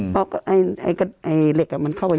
เพราะไอ้เหล็กมันเข้าไป